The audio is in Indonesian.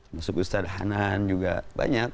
masuk ustadz hanan juga banyak